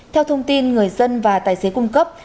theo thông tin người dân và tài xế cung cấp